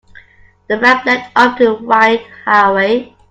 The ramp led up to the wide highway.